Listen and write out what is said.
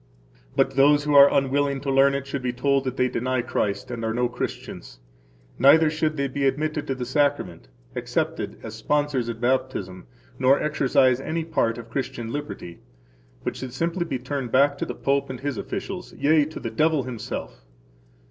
But those who are unwilling to learn it should be told that they deny Christ and are no Christians, neither should they be admitted to the Sacrament, accepted as sponsors at baptism, nor exercise any part of Christian liberty, but should simply be turned back to the Pope and his officials, yea, to the devil himself.